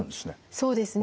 そうですね